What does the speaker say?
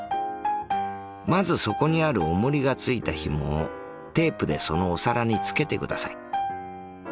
まずそこにあるオモリがついたひもをテープでそのお皿につけてください。